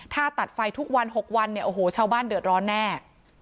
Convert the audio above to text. ถ้าตัดไฟทุกวัน๖วันเนี่ยโอ้โหชาวบ้านเดือดร้อนแน่